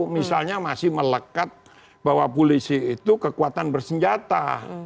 misalnya masih melekat bahwa polisi itu kekuatan bersenjata